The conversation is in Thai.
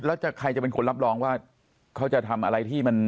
แล้วใครจะเป็นคนรับรองว่าเขาจะทำอะไรที่มัน